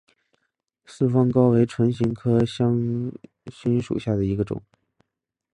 四方蒿为唇形科香薷属下的一个种。